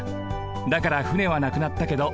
だから船はなくなったけど